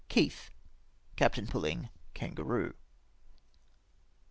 Keith. " Capt. Pulhng, Kangaroo.''''